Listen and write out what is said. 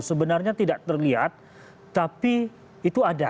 sebenarnya tidak terlihat tapi itu ada